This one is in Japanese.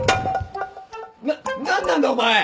な何なんだお前！？